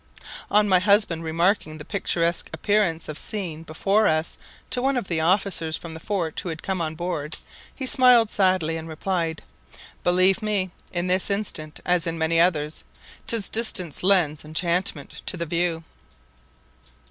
On my husband remarking the picturesque appearance of scene before us to one of the officers from the fort who had come on board, he smiled sadly, and replied, "Believe me, in this instance, as in many others, 'tis distance lends enchantment to the view."